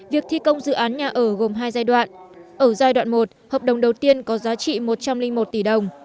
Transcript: việc thi công dự án nhà ở gồm hai giai đoạn ở giai đoạn một hợp đồng đầu tiên có giá trị một trăm linh một tỷ đồng